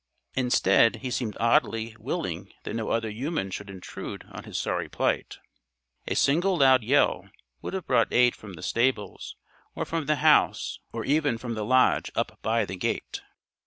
Instead, he seemed oddly willing that no other human should intrude on his sorry plight. A single loud yell would have brought aid from the stables or from the house or even from the lodge up by the gate.